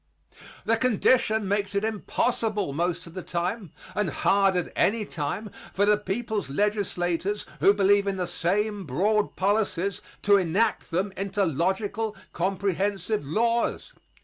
The condition makes it impossible most of the time, and hard at any time, for the people's legislators who believe in the same broad policies to enact them into logical, comprehensive laws.